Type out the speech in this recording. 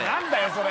それ。